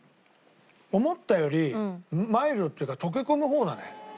思ったよりマイルドっていうか溶け込む方だね。